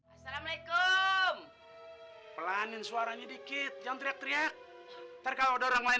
assalamualaikum pelanin suaranya dikit jangan teriak teriak terkode orang lain